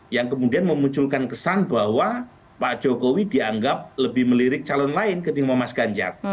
yang kemudian memunculkan kesan bahwa pak jokowi dianggap lebih melirik calon lain ketimbang mas ganjar